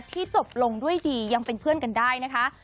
จบลงด้วยดียังเป็นเพื่อนกันได้นะคะ